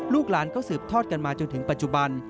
ลูกหลานก็สืบทอดกันมาจนถึงปัจจุบัน